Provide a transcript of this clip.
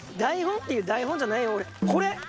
これ！